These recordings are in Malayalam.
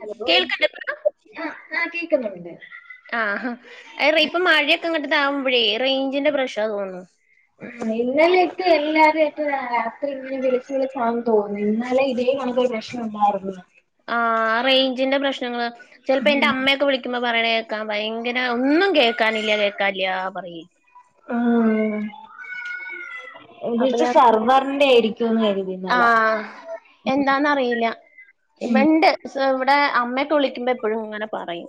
ഹലോ കേൾക്കണ്ടപ്പ ആ ആ കേക്കുന്നുണ്ട് ആഹാ ഏറെ ഇപ്പൊ മഴയൊക്കെ ഇങ്ങട്ട ആകുമ്പോഴേ റേഞ്ചിന്റെ പ്രശ്ണാ തോന്നുണു. ഇന്നലെ ഇട്ട് എല്ലാരും ഇട്ട് രാത്രി ഇങ്ങനെ വിളിച്ച് വിളിച്ച് അം തോ ഇന്നാലെ ഇതേ നമുക്കോരു പ്രശ്നം ഉണ്ടായിരുന്നു ആ റേയ്ഞ്ചിന്റെ പ്രശ്നങ്ങങ്ങള് ചിലപ്പോ എന്റെ അമ്മയൊക്കെ വിളിക്ക വിളിക്കുമ്പോ പറയണേ കേക്കാൻ ഭയങ്കര ഒന്നും കേക്കാനില്ല കേക്കാനില്ല പറി.. ആം.. ഇതിത്തെ സർവറിന്റെ ആയിരിക്കുംന്ന് കരുതി ആ ഇന്നലെ എന്താന്നറിയില്ല ഇവെണ്ട് ക്ഷെ ഇവിടെ അമ്മയൊക്കെ വിളിക്കുമ്പൊ എപ്പഴും ഇങ്ങനെ പറയും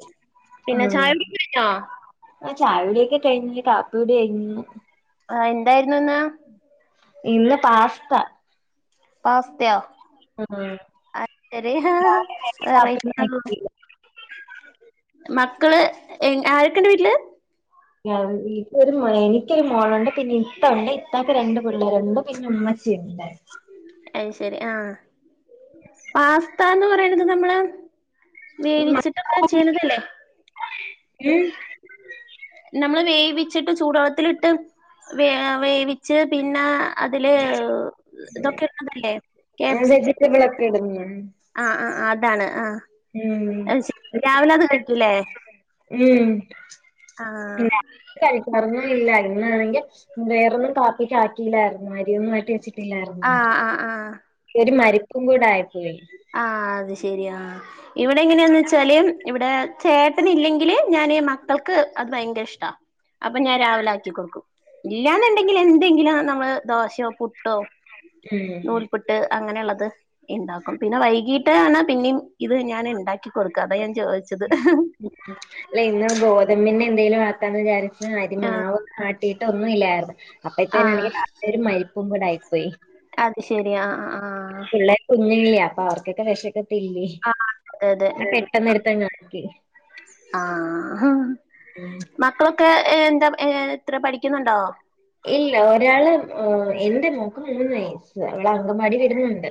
ഉം പിന്നെ ചായ കുടി കഴിഞ്ഞോ ആഹ് ചായ കുടിയൊക്കെ കഴിഞ്ഞി കാപ്പി കുടി കഴിഞ്ഞു ആ എന്തായിരുന്നുന്നാ ഇന്ന് പാസ്ത പാസ്തയോ ഉം ആ [unintelligible] വെറൈറ്റിയാണല്ലോ മക്കള് ആരൊക്കെണ്ട് വീട്ടില് ആഹ് എനിക്കൊരു മോനാ എനിക്കൊരു മോളൊണ്ട് പിന്നെ ഇത്ത ഒണ്ട് ഇത്താക്ക് രണ്ട് പിള്ളാരുണ്ട് പിന്നെ ഉമ്മ ച്ചിണ്ട് അയ് ശരി ആഹ് പാസ്താന്ന് പറയ്ണത് നമ്മളെ വേവിച്ചിട്ടൊക്കെ ചെയ്ണതല്ലേ ഉം നമ്മള് വേവിച്ചിട്ട് ചൂടെള്ളത്തിലിട്ട് വേ വേവി ച്ച് പിന്നെ അതില് ഇതൊക്കെ ഇടണതല്ലേ ക്യാപ്‌സി [unintelligible] ഇടുന്നു ആ ആഹ് അതാണ് ആഹ് അയ് ശ രാവിലെ അത് കഴിക്കൂല്ലേ ഉം ആഹ് കഴിക്കാറൊന്നും ഇല്ലായിരുന്നു ഇന്നാണെങ്കി വേറൊന്നും കാപ്പിക്കാക്കില്ലായിരുന്നു അരിയൊന്നാട്ടി വെച്ചി ട്ടില്ലാരുന്നു ആഹ് ആഹ് ആഹ് ഒരു മരിപ്പു കൂടായിപ്പോയി ആ അത് ശരി ആഹ് ഇവിടെ എങ്ങനെയാന്ന് വെച്ചാല് ഇവിടെ ചേട്ടനില്ലെങ്കില് ഞാന് മക്കൾക്ക് അത് ഭയങ്കര ഇഷ്ടാ അപ്പൊ ഞാൻ രാവിലെ ആക്കി കൊടുക്കും ഇല്ലാന്നുണ്ടെങ്കിൽ എന്തെങ്കിലും നമ്മള് ദോശയോ, പുട്ടോ ഉം നൂൽപുട്ട് അങ്ങനെയുള്ളത് ഇണ്ടാ ക്കും പിന്നെ വൈകീട്ട് ആണ് പിന്നേം ഇത് ഞാൻ ഇണ്ടാക്കി കൊടുക്ക അതാ ഞാൻ ചോയ്ച്ചത് [unintelligible] ഇല്ല ഇന്ന് ഗോതമ്പിന്റ എന്തേലും ആക്കാന്ന് വിചാരിച്ച് ആഹ് അരിമാവൊന്നും ആട്ടിട്ടൊന്നും ഇല്ലായിരുന്നു അപ്പ ആഹ് ഇന്നുണ്ടെങ്കി രാവിലെ ഒര് മരിപ്പും കൂടായിപ്പോയി അത് ശെരി ആഹ് ആഹ് പുള്ളേര് കുഞ്ഞല്ലേ അപ്പൊ അവർക്കൊക്കെ വെശക്കത്തില്ലേ ആ അതെ ഞാൻ പെട്ടെന്ന് അതെ എടുത്തങ്ങ് ആക്കി ആഹ് ഉം മക്കളൊക്കെ എന്താ ഏ എത്ര പഠിക്കുന്നുണ്ടോ ഇല്ല ഒരാള് മ്മ് എന്റെ മോക്ക് മൂന്ന് വയസ്സ് അവള് അങ്കവാടി വിടുന്നുണ്ട്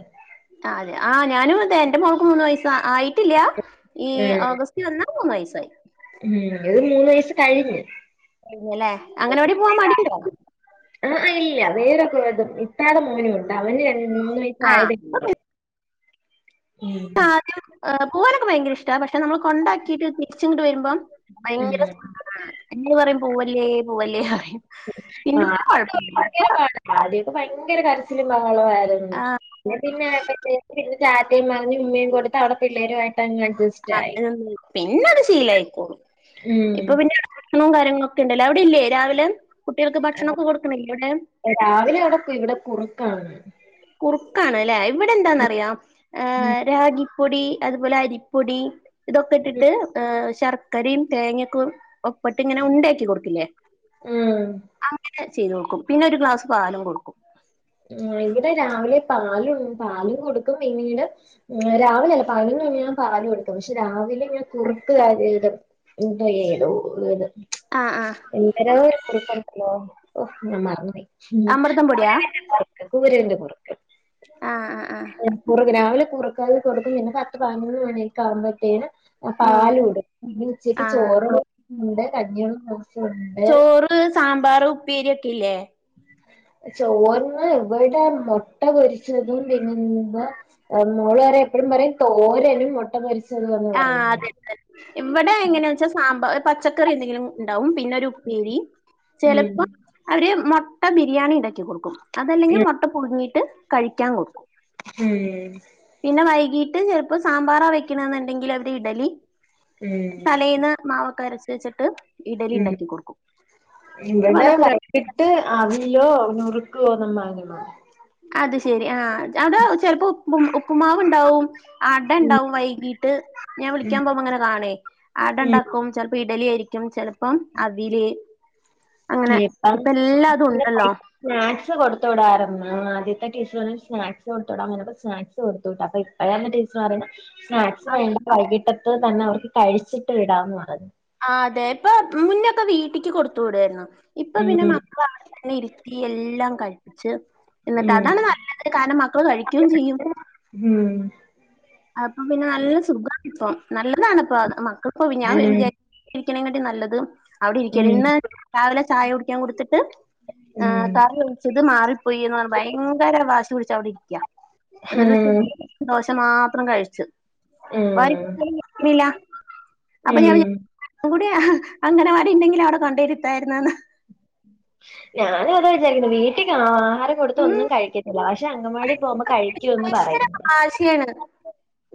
ആ അതെ ആഹ് ഞാനും അതെ എന്റെ മോൾക്ക് മൂന്ന് വയസാ ആയിട്ടില്ല ഈ ഉം ഓഗസ്റ്റ് വന്നാ മൂന്ന് വയസായി ഉം ഇന്റെത് മൂന്ന് വയസ് കഴിഞ്ഞ് കഴിഞ്ഞല്ലേ അങ്കനവാടി പോവാൻ മടിണ്ടോ ആഹ് ഇല്ല വേറെ കൊറേ ഇത്താടെ മോനോണ്ട് അവന് ര മൂന്ന് ആഹ് വയസ്സായതെ ആദ്യം പോവാനൊക്കെ ഭയങ്കര ഇഷ്ടാ പക്ഷെ നമ്മള് കൊണ്ടാക്കിട്ട് തി ചിങ്ങട്ട് വരുമ്പം ഭയങ്കര ഉം സങ്കടാണ് എന്നോട് പറയും പൂവല്ലേ പൂവല്ലേ പറയും ആ പിന്നെ ഇപ്പ ഇപ്പൊ കൊഴപ്പല്ല ഭയങ്കര പാട ആദ്യ ഒക്കെ ഭയങ്കര കരച്ചിലും ഭഹളോം ആയിര്ന്ന് ആഹ് പിന്നെ പിന്നായപ്പഴ്ത്തേക്ക്‌ ഇവള് റ്റാറ്റയും പറഞ്ഞ് ഉമ്മയും കൊടുത്ത് അവിടെ പിള്ളേരുവായിട്ടങ്ങഡ്ജസ്റ്റ് [unintelligible] പിന്നെ അത് ശീലായിക്കോളും ഉം ഇപ്പൊ പിന്നെ ഭക്ഷണവും കാര്യങ്ങളൊക്കെ ഇണ്ടല്ലോ അവിടില്ലേ രാവിലെ കുട്ടികൾക്ക് ഭക്ഷണൊക്കെ കൊടുക്കണില്ലേ അവടെ രാവിലെ അവിടെ ഇവിടെ കുറുക്കാണ് കുറുക്കാണ്ല്ലെ ഇവിടെ എന്താന്നറിയോ ഏ ഉം രാഗി പൊടി അതുപോലെ അരിപ്പൊടി ഇതൊക്കെ ഇട്ടിട്ട് ശർ ക്കരയും തേങ്ങൊക്കെ ഒപ്പട്ട്ങ്ങനെ ഉണ്ടയാക്കി കൊടുക്കില്ലേ ഉം അങ്ങനെ ചെയ്ത് കൊടുക്കും പിന്നെ ഒരു ഗ്ലാസ് പാലും കൊടുക്കും ആ ഇവിടെ രാവിലെ പാലു പാലും കൊടുക്കും പിന്നീട് രാവിലെ അല്ല പതിനൊന്നുമണികയാകുമ്പോൾ ഞാൻ പാലും കൊടുക്കും പക്ഷെ രാവിലെ ഞാൻ കുറുക്ക് കാര്യ ഇടും [unintelligible] ഏതു ഏത് ആ ആ എന്തോരോഒരു കുറുക്കുണ്ടാലോ ഓ ഞാൻ മറന്നു പോയി. അമൃതം പൊടിയാ കൂരകന്റെ കുറക്ക് ആഹ് ആ ആഹ് കുറക്ക് രാവിലെ കുറക്കൽ കൊടുക്കും. പിന്നെ പത്ത് പതിനൊന്ന് മണിയൊക്കെ ആവുമ്പോഴത്തേന് ആ ഉം പാലുകൊടുക്കും പിന്ന ഉച്ചക്ക് ആഹ് ചോറോണ്ട് കഞ്ഞിക്കൊടുപ്പോണ്ട് ചോറ്, സാമ്പാർ, ഉപ്പേരി ഒക്കെ ഇല്ലേ? ചോർന് ഇവിടെ ആ മുട്ട പൊരിച്ചതും പിന്നെ എന്താ മോള് പറയും എപ്പോഴും പറയും തോരനും മൊട്ടപൊരിച്ചതും ആഹ് അതെ അതെ ഇവിടെ എങ്ങനെയാ വെച്ചാൽ സാമ്പാർ പച്ചക്കറി എന്തെങ്കിലും ഉണ്ടാവും പിന്നെ ഒരു ഉപ്പേ പേരി ഉം ചിലപ്പം അവര് മുട്ട ബിരിയാണി ഇണ്ടാക്കി കൊടുക്കും അതല്ലെങ്കിൽ മുട്ട പുഴുങ്ങിട്ട് കഴിക്കാൻ കൊടുക്കും ഉം. പിന്നെ വൈകിട്ട് ചിലപ്പോൾ സാമ്പാർ വയ്ക്കണമെന്ന് ഉണ്ടെങ്കിൽ അവിടെ ഇഡലി ഉം തലേന്ന് മാവൊക്കെ അരച്ച് വെച്ചിട്ട് ഇഡലി ഉം ഉണ്ടാക്കി കൊടുക്കും. അപ്പൊ അതൊക്കെ എന്നിട്ട് അവിലോ നുറുക്ക് ഗോദമ്പോ ഉണ്ടാകും അത് ശെരി ആഹ് അതാ ചെലപ്പോ ഉപ്പ് ഉപ്പ്മാവ് ഉണ്ടാവും, അട ഉണ്ടാവും വൈകീട്ട്. ഞാൻ വിളിക്കാൻ പോകുമ്പോൾ ഇങ്ങനെ കാണേ ഉം അടണ്ടാക്കും, ചിലപ്പോ ഇഡലി ആയിരിക്കും, ചിലപ്പം അവല് അങ്ങനെ ഇപ്പം ഇപ്പ എല്ലാതും ഉണ്ടല്ലോ? സ്നാക്സ് കൊടുത്തടാരുന്നുമല. ആദ്യത്തെ ടീച്ചർ പറഞ്ഞു സ്നാക്സ് കൊടുത്തോടാൻ പറഞ്ഞപ്പ സ്നാക്സ് കൊടുതുവിട്ടു അപ്പ ഇപ്പഴാണ് ടീച്ച പറഞ്ഞു സ്നാക്സ് വേണ്ട വൈകിട്ടത്ത് തന്നെ അവർക്ക് കഴിച്ചിട്ട് വിടാംന്ന് പറഞ്ഞു. ആ അതെ ഇപ്പൊ മുന്നൊക്കെ വീട്ടിക്ക് കൊടുത്തു വിടായിരുന്നു ഇപ്പൊ പിന്നെ ഉം മക്കള അവിടെത്തന്നെ ഇരുത്തി എല്ലാം കഴിപ്പിച്ച്. എന്നിട്ട് ഉം അതാണ് നല്ലത് കാരണം മക്കള് കഴിക്കുകയും ചെയ്യും. ഉം അപ്പൊ പിന്നെ നല്ല സുഖണിപ്പം നല്ലതാണിപ്പം മക്കൾക്കിപ്പോ ഞാൻ ഉം വിചാരി ഇരിക്കണെക്കാട്ടി നല്ലത് അവിടെ ഉം ഇരിക്കല്. ഇന്ന് രാവിലെ ചായ കുടിക്കാൻ കൊടുത്തിട്ട്. ആ ഉം കറി ഒഴിചത് മാറിപ്പോയി എന്ന് പറഞ്ഞു ഭയങ്കര വാശി പിടിച്ചു അവിടെ ഇരിക്കാ. അത ഉം [inaudible] ദോശ മാത്രം കഴിച്ച്. വാരി ഉം വില്ല [unintelligible] അപ്പൊ ഞാൻ ഉം കൂടി അങ്കണവാടി ണ്ടെങ്കിൽ അവിടെ കൊണ്ടിരുതായിരുന്നെന്ന്. ഞാനും അത വിചാരിക്കുന്ന് വീട്ടിൽ ആഹാരം കൊടുത്ത ഉം ഒന്നും കഴിക്കത്തില്ല. പക്ഷെ അങ്കവാടി പോകുമ്പോ കഴിക്കൂന്ന് ഭയങ്കര പറയും.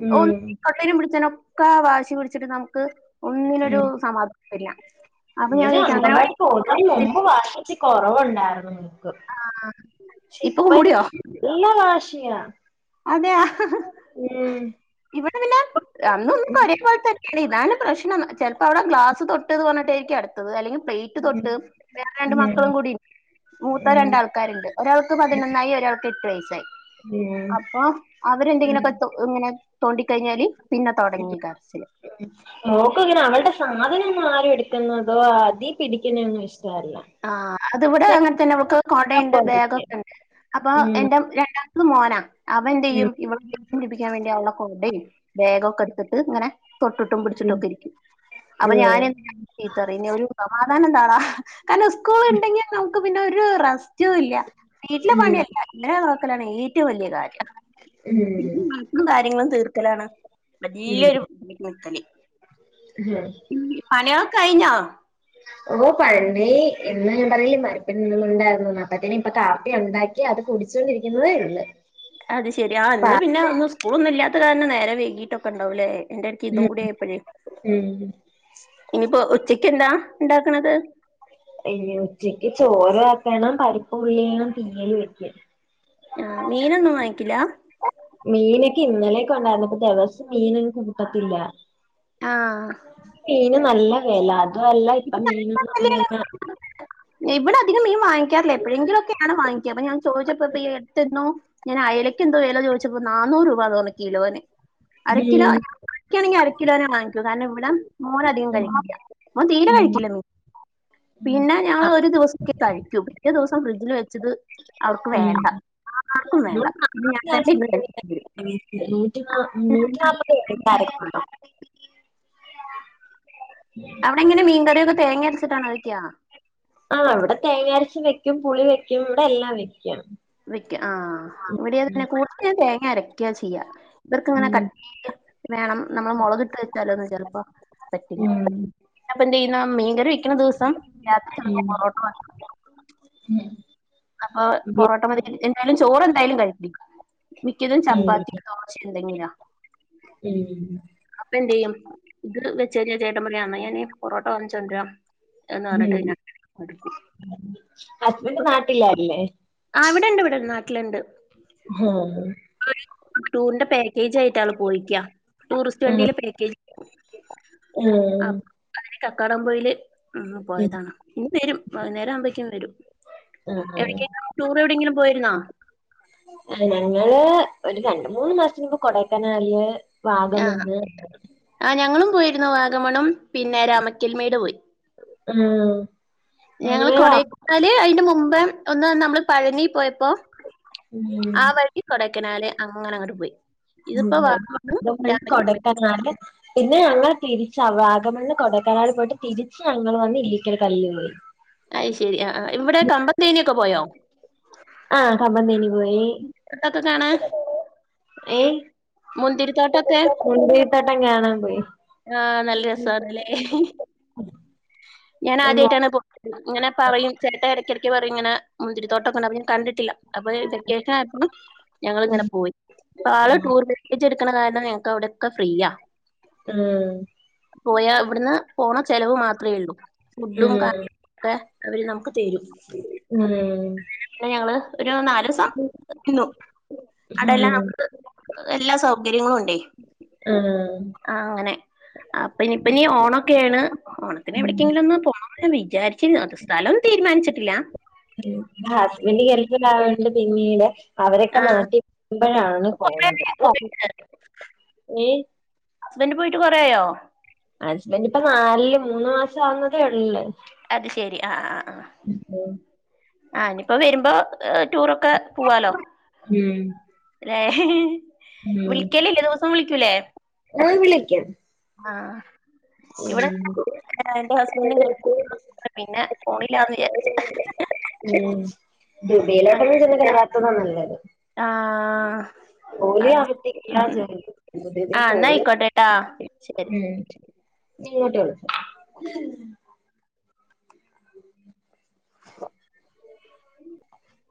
മം തൊട്ടേനും പിട്ചെനൊക്കെ വാശി പിടിച്ചിട്ട് നമ്ക്ക് ഒന്നിനൊരു സമാധാനം തരില്ല. ഇവിടെ അങ്കൻവാടി പോകും മുമ്പ് വാശി ഇച്ചിരി കുറവുണ്ടായിരുന്നു. പക്ഷെ ഇപ്പൊ ഇപ്പ കൂടിയോ അവൻ നല്ല വാശിയാ. അതെയ ഉം ഇവിടെ പിന്നെ അന്നും ഇന്നും ഒരേ പോലെ തന്നെ ഇതാണ് പ്രശ്നം ചിലപ്പോ അവിടെ ഗ്ലാസ് തൊട്ട്ന്ന് പറഞ്ഞിട്ടായിരിക്കുംഅടുത്ത അല്ലെങ്കി പ്ലേറ്റ് ഉം തൊട്ട് വേറെ രണ്ട് ഉം മക്കളും കൂടി മൂത്ത ഉം രണ്ടാൾക്കാരുണ്ട്. ഒരാൾക്ക് പതിനൊന്നായി ഒരാൾക്ക് എട്ട് വയസ്സായി. ഉം അപ്പൊ ഉം. അവരെന്തെങ്കിലൊക്കെ ഇങ്ങനെ തോണ്ടിക്കഴിഞ്ഞാല് പിന്നെ തുടങ്ങി കരച്ചിൽ. [inaudible] മോൾക്കങ്ങനെ അവളുടെ സാധനം ഒന്നും ആരും എടുക്കുന്നതോ അതിൽ പിടിക്കുന്നൊന്നും ഇഷ്ടല്ല. ആഹ് അത് ഇവിടെ അങ്ങനെ തന്നെയാ കൊടയുണ്ട് ബാഗ്ക്കെ ഉണ്ട്. അപ്പൊ ഉം എന്റെ രണ്ടാം ഇത് മോനാ. ഉം അവന്റെ്യും ഇവളെ ദേഷ്യം പിടിപ്പിക്കാൻ വേണ്ടി അവളെ കൊടെ ബേഗൊക്കെ ഇടുത്തിട്ട് ഇങ്ങനെ. തൊട്ടിട്ടും ഉം പിടിച്ചിട്ടോക്കെ ഇരിക്കും അപ്പൊ ഉം ഞാൻ എ ചീത്ത പറയും നീ ഒരു സമാധാനംതാടാ. കാരണം സ്കൂൾ ഉണ്ടെങ്കിൽ നമുക്ക് പിന്നെ ഒരു റെ റ്റ ഇല്ല വീട്ടിലെ ഉം പണിയല്ല ഇവരെ നോക്കലാണ് ഏറ്റവും വലിയ കാര്യം ഉം ഈ വഴക്കും കാര്യങ്ങളും തീർക്കലാണ് ഉം വലിയൊരു പണിക്ക്നിക്കല് ഉം ഈ പണിയൊ കൈഴിഞ്ഞോ ഓ പണി ഇന്ന് ഞാൻ പറയലേ മരപ്പണി ഉണ്ടായിരുന്നു അപ്പത്തിന് ഇപ്പൊ കാപ്പി ഉണ്ടാക്കി അത് കുടിച്ചുകൊണ്ടിരിക്കുന്നതേ ഉള്ളു അത് ശെരി ആ പാ ഇന്ന് പിന്നെ ഒന്നും സ്കൂൾ ഒന്നും ഇല്ലാത്ത കാരണം നേരെ വേകിട്ടൊക്കെ ഉണ്ടാവൂലേ എന്റെ ഇടക്ക് ഇതും ഉം കൂടി ആയപ്പോഴേ ഉം ഇനിപ്പോ ഉച്ചക്ക് എന്താ ഉണ്ടാക്കണത് ഉച്ചയ്ക്ക് ചോറ് ആക്കണം പരിപ്പ് ഉള്ളിയും തീയൽ വെയ്ക്കും ആ മീനൊന്നും വാങ്ങിക്കില്ലാ.. മീനൊക്കെ ഇന്നലെക്കെ ഉണ്ടായിരുന്നു ഇപ്പൊ ദിവസം മീനനൊന്നും കൂട്ടത്തില്ല ആ.. മീന് നല്ല വെല അതുഅല്ല ഇപ്പം മീനൊന്നും ഇവിടെ അധികം മീൻ വാങ്ങി - ക്കാറില്ല എപ്പഴെങ്കിലുംക്കെയാ വാങ്ങിക്കുക അപ്പ ഞാൻ ചോദിച്ചപ്പോ എടുത്തിരുന്നു ഞാൻ അയലക്ക് എന്തോ വില ചോദിച്ചപ്പോ നാന്നൂറ് രൂപാന്നു പറഞ്ഞു കിലോന് അരക്കിലോ ഉം മേടിക്കആണെങ്കിൽ അര കിലോനെ വാങ്ങിക്കൂ കാരണം ഇവിടെ മോന ധികം ഉം കഴിക്കില്ല മോൻ തീരെ ഉം കഴിക്കില്ല മീൻ പിന്നെ ഞങ്ങൾ ഒരു ദിവസക്കേ കഴിക്കൂ പിറ്റേ ദിവസം ഫ്രിഡ്ജിൽ വച്ചത് അവർക്ക് ഉം. വേണ്ട ആർക്കും വേണ്ട പിന്നെ ഞാൻ തന്നെ ഇരുന്ന് കഴിക്കും നൂറ്റി നൂറ്റിനാപ്പത് അരക്കിലോ അവിടെങ്ങനെ മീൻകറിയൊക്ക തേങ്ങ അരച്ചിട്ടാണോ വെയ്ക്ക ആ ഇവിടെ തേങ്ങ അരച്ച് വെക്കും പുളി വെക്കും ഇവിടെ എല്ലാം വെക്കും വെയ്ക്കും ആഹ് ഇവിടെഅത് തന്നെ കൂടുതലും ഞാൻ തേങ്ങ അരയ്ക്ക ചെയ്യാ.. ഇവർക്ക് ഇങ്ങനെ കട്ടീല് വേണം നമ്മൾ മുളക് ഇട്ട് വെച്ചാലൊന്നും ചിലപ്പോ പറ്റില്ല ഇപ്പം എന്ത് ചെയ്യുന്നു മീൻക്കറി വെക്കുന ദിവസാ രാത്രി ചിലപ്പോൾ പൊറോട്ട വാങ്ങി ഉം അപ്പൊ പൊറോട്ട മതി എന്തായാലും ചോറ് എന്തായാലും കഴിക്കും മിക്കതും ചപ്പാത്തിയാ ദോശ ഇണ്ടായിനോ ഉം അപ്പംഎന്ത് ചെയ്യും ഇത് വെച്ച് കഴിഞ്ഞാൽ ചേട്ടൻ പറയും അന്ന ഞാന് പൊറോട്ടോ വാങ്ങിച്ചോണ്ടരാ ഉം ഹസ്ബൻഡ് നാട്ടിലല്ലേ ആ ഇവിടെ ഇണ്ട് ഇവിടെണ്ട് നാട്ടിലുണ്ട് ഹ്.. ടൂറ് ടൂറിന്റെ പാക്കേജ് ആയിട്ട് ആള് പോയിക്ക ടൂറിസ്റ്റ് ആഹ് വണ്ടിയില് പാക്കേജ് അ ആഹ് അതിന് കക്കാടംപൊയയില് പോയതാണ് ഇന്ന് വരും വൈകുന്നേരം ആവുമ്പോക്കും വരും ആഹ് ആഹ് എവിക്കേലും ടൂറ് എവിടെയെങ്കിലും പോയിരുന്നോ ഞങ്ങള് ഒരു രണ്ട് മൂന്ന് മാസത്തിന്മുൻപ് കൊടെക്കനാല് ആഹ് വാഗമണ്ണ് ആ ഞങ്ങളും പോയിരുന്നു വാഗമണും പിന്നെ രാമക്കൽമേട് പോയി. ആഹ് ഞങ്ങള് കൊടേക്കനാല് അതിന്റെ മുമ്പ് ഒന്ന് നമ്മള് പഴനി പോയപോ അപ്പൊ ഉം ആ വഴി കൊടക്കനാല് അങ്ങന അങ്ങോട്ട് പോയി ഉം ഇതിപ്പോ [unintelligible] വാഗമണ്ണ് ആഹ് വഴി രാമക്കൽമേട് കോടേക്കനാല് പിന്നെ ഞങ്ങൾ തിരിച്ച് അവ വഗമണിന്ന് കോടേക്കനാല് പോയിട്ട് തിരിച്ച് ഞങ്ങൾ വന്ന് ഇല്ലീക്കൽ കല്ലല് പോയി അയ് ശരി ആ ആ ഇവിടെ കമ്പം തേനൊക്കെ പോയോ ആഹ് കമ്പന്തേനി പോയി മുന്തിരി തോട്ടൊക്കെ മുന്തിരി തോട്ടം കാണാൻ പോയി ആഹ് നല്ല രസന്നല്ലേ ഞാൻ ആഹ് ആദ്യമായിട്ടാണ് പോ- ഇങ്ങനെ പറയും ചേട്ടൻ ഇരക്കിടക്കക്ക് പറയും ഇങ്ങനെ മുതിരി തോട്ടോക്കല്ലത്. കണ്ടിട്ടില്ല അപ്പൊ വെക്കേഷനായപ്പം ഞങ്ങളിങ്ങനെ പോയി ഇപ്പൊ ആള് ടൂർ പാക്കേജ് എടുക്കണ കാരണം ഞങ്ങക്ക് അവിടെക്കെ ഫ്രീ ആ. ആ പോയാ ഇവിടുന്ന് പോണ ചെിലവ് മാത്രമേ ഉള്ളൂ ഫുഡുംകാ. ഒക്കെ അവര് നമുക്ക് തരും. മ് അങ്ങനെ ഞങ്ങള് ഒരു നാല് ദിവസം നി ന്നു അവിടെല്ലാം നമുക്ക്. എല്ലാ സൗകര്യങ്ങളും ഉണ്ടെ. ആഹ് ആ അങ്ങനെ അപ്പ നിപ്പ നീ ഓണൊക്കെയാണ്. ഓണത്തിന് എവിടക്കെങ്കിലും പോണന്ന് വിചാരിചിന്നു അത് സ്ഥലംനും തീരുമാനിച്ചിട്ടില്ല. ഹസ്ബൻഡ ഗേൾഫിലാവോണ്ട് പിന്നീട് അവരൊക്കെ ആഹ് നട്ടി പോവുമ്പയാണ് കൊറേ പോണത് ആയോ പോയിട്ട് [unintelligible] ഏ ഹസ്ബൻഡ് പോയിട്ട് കൊറേ ആയോ? ഹസ്ബന്റ് ഇപ്പൊ നാല് മൂന്ന് മാസം ആവുന്നതേ ഉള്ള് അത് ശെരി ആ ആ ആഹ് ഉം ആ ഇനിയിപ്പോ വരുമ്പോ ടൂറൊക്കെ പോവാലോ? മ് ഏ ഹേ ഹേ വിളിക്കലല്ലേ ദിവസം വിളിക്കൂലേ? ആ വിളിക്കും ആഹ് ഉം ഇവിടെ എന്റെ ഹസ്ബൻഡും ഗൾഫിൽ പിന്നെ പോണിലാന്ന് വിചാരിച്ചു. ഉ ദുബൈയിലോക്കെ ചെന്ന് കേറാത്തത നല്ലത്. ആഹ് ഓൽ അത് അകത് ശരി. ഇല്ല ഉം വിചാരിക്കും ആഹ് എന്നാ പോയൊക്കും ആയിക്കോട്ടെട്ടാ ശരി മ് ഇങ്ങോട്ട് വിളി [unintelligible] [unintelligible]